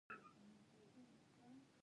آیا پښتون په میړانه نه جنګیږي؟